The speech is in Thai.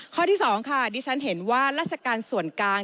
ข้อที่๒ค่ะดิฉันเห็นว่าราชการส่วนกลาง